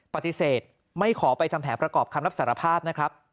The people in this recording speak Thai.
ปฏิเสธไม่ขอไปทำแผนประกอบคำรับสารภาพนะครับ